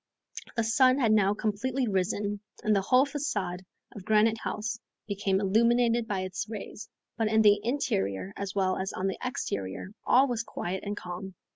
The sun had now completely risen, and the whole facade of Granite House became illuminated by its rays; but in the interior as well as on the exterior all was quiet and calm.